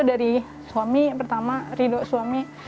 dari suami pertama ridho suami